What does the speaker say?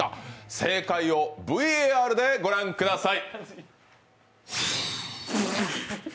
正解をＶＡＲでご覧ください。